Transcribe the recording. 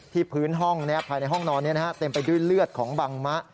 พื้นห้องภายในห้องนอนเต็มไปด้วยเลือดของบังมะ